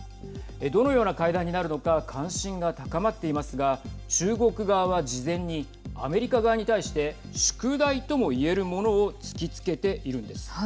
どのような会談になるのか関心が高まっていますが中国側は事前にアメリカ側に対して宿題ともいえるものを突きつけているんです。